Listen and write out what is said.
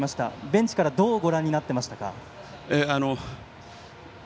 ベンチからどうご覧になっていましたか？